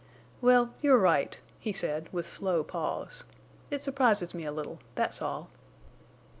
"Well—you're right," he said, with slow pause. "It surprises me a little, that's all."